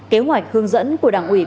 kế hoạch hướng dẫn của đảng ủy